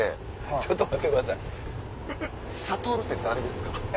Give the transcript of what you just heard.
ちょっと待ってくださいサトルって誰ですか？